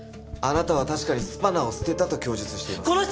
あなたは確かにスパナを捨てたと供述しています。